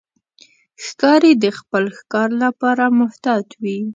ښکاري د خپل ښکار لپاره محتاط وي.